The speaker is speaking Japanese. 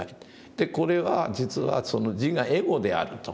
これは実は自我エゴであると。